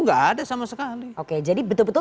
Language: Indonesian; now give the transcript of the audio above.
nggak ada sama sekali oke jadi betul betul